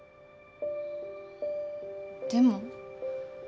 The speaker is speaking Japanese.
でも。